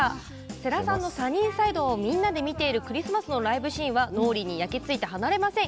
世良さんの「サニー・サイド」をみんなで見ているクリスマスのライブシーンは脳裏に焼き付いて離れません。